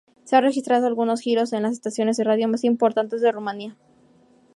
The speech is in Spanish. Se ha registrado algunos giros en las estaciones de radio más importantes de Rumania.